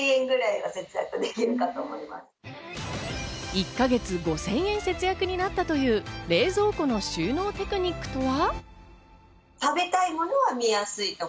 １か月５０００円節約になったという、冷蔵庫の収納テクニックとは。